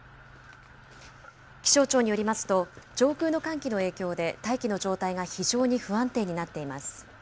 気象庁によりますと、上空の寒気の影響で、大気の状態が非常に不安定になっています。